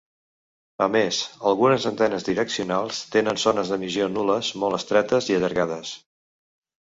A més, algunes antenes direccionals tenen zones d'emissió nul·les molt estretes i allargades.